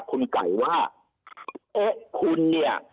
คุณไก่ว่าเอ๊ะคุณเนี่ย